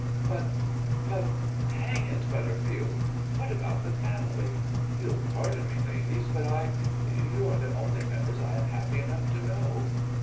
"But but hang it, Butterfield, what about the family? You'll pardon me, ladies, but I you are the only members I am happy enough to know."